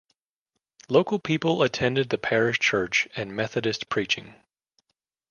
Local people attended the parish church and Methodist preaching.